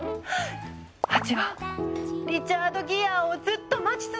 ハチはリチャード・ギアをずっと待ち続けたのに？